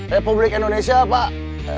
republik indonesia pak